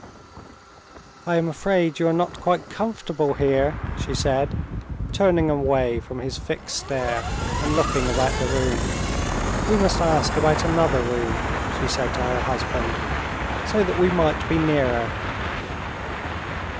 "I am afraid you are not quite comfortable here," she said, turning away from his fixed stare, and looking about the room. "We must ask about another room," she said to her husband, "so that we might be nearer."